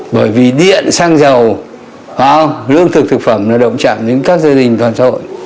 bởi vì điện xăng dầu lương thực thực phẩm nó động trạng đến các gia đình toàn xã hội